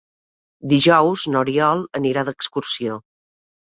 Dijous n'Oriol anirà d'excursió.